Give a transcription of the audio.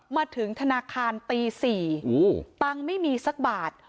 มาถึงธนาคารตี๔ตังค์ไม่มีสักบาท